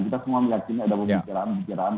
kita semua meyakini ada pembicaraan pembicaraan